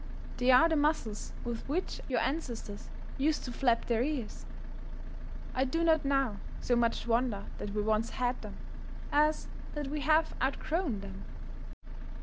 They are the muscles with which your ancestors used to flap their ears." I do not now so much wonder that we once had them as that we have outgrown them.